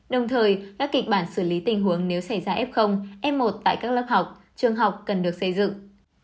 đồng thời các kịch bản xử lý tình huống nếu xảy ra f f một tại các lớp học trường học cần được xây dựng